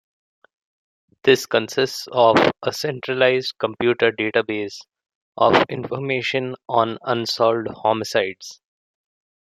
This consists of a centralized computer database of information on unsolved homicides.